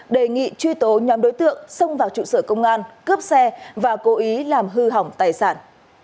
đề nghị truy tố nhóm đối tượng xông vào trụ sở công an cướp xe và cố ý làm hư hỏng tài sản